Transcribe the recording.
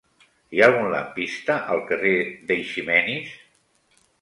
Hi ha algun lampista al carrer d'Eiximenis?